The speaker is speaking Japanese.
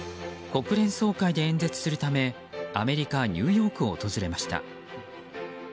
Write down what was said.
国連総会で演説するためアメリカ・ニューヨークを訪れました。